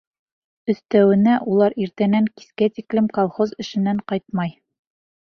Өҫтәүенә, улар иртәнән кискә тиклем колхоз эшенән ҡайтмай.